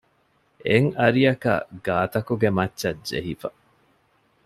އެއް އަރިއަކަށް ގާތަކުގެ މައްޗަށް ޖެހިފަ